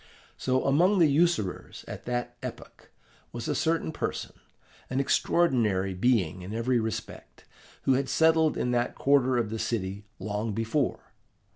So, among the usurers, at that epoch, was a certain person an extraordinary being in every respect, who had settled in that quarter of the city long before.